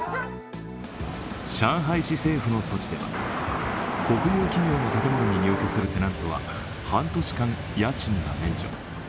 上海市政府の措置では、国有企業の建物に入居するテナントは半年間、家賃が免除。